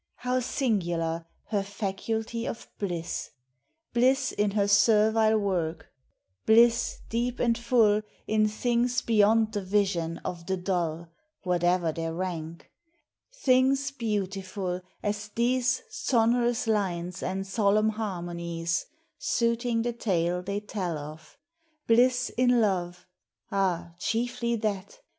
How singular, her faculty of bliss ! Bliss in her servile work ; bliss deep and full In things beyond the vision of the dull, Whate'er their rank : things beautiful as thi Sonorous lines and solemn harmonies Suiting the tale they tell of; bliss in love Ah, chiefly that!